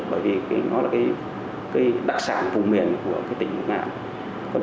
bởi vì nó là cái đặc sản vùng miền của cái cây